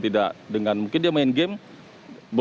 tidak dengan mungkin dia main game